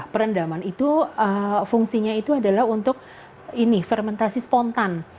perendaman itu fungsinya adalah untuk fermentasi spontan